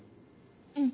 うん。